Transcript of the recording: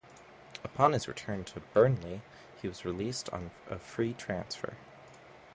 Upon his return to Burnley, he was released on a free transfer.